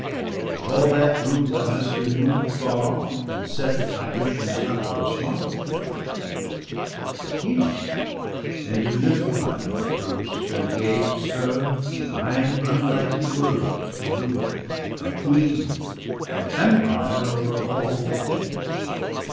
But all that brood thou hast removed far off, And set by Ocean's utmost marge to dwell. BALDER DEAD, 177 But Hela into Niflheim thou threw' st, And gav'st her nine unhghted worlds to rule, A queen, and empire over all the dead.